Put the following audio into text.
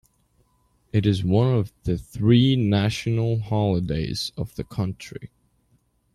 It is one of the three national holidays of the country.